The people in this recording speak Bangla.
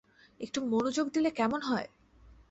একটু মনোযোগ দিলে কেমন হয়?